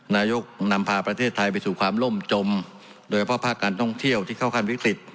นายกนำพาประเทศไทยไปสู่ความล่มจมโดยเฉพาะภาคการท่องเที่ยวที่เข้าขั้นวิกฤต